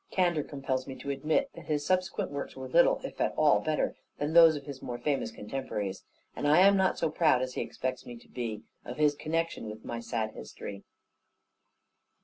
Candour compels me to admit that his subsequent works were little, if at all, better than those of his more famous contemporaries; and I am not so proud, as he expects me to be, of his connexion with my sad history.